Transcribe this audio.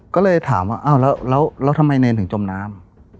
ก็เลยถามว่าอ้าวแล้วทำไมเนรถึงจมน้ำ